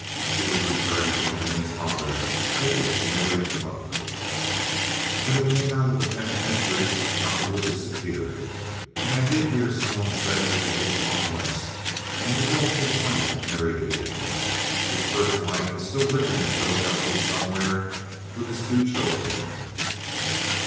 (She was referring to Aileen's father, Edward Malia Butler.) "When he came out of the penitentiary Cowperwood disappeared, and I did hear some one say that he had gone West, and divorced his wife and married again. His first wife is still living in Philadelphia somewhere with his two children."